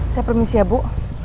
saya permisi ya bu